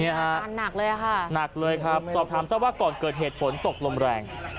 นี่ฮะหนักเลยครับสอบถามซะว่าก่อนเกิดเหตุผลตกลมแรง